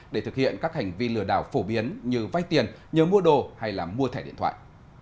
để thực hiện các hành vi lừa đảo phổ biến như vay tiền nhờ mua đồ hay là mua thẻ điện thoại